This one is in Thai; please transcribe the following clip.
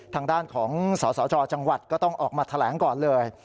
ทางด้านของสสจจังหวัดก็ต้องออกมาแถลงก่อนเลย